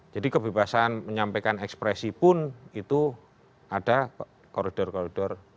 jadi kebebasan menyampaikan ekspresi pun itu ada koridor koridor